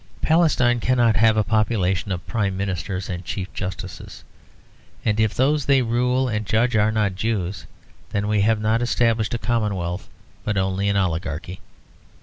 Palestine cannot have a population of Prime Ministers and Chief Justices; and if those they rule and judge are not Jews, then we have not established a commonwealth but only an oligarchy.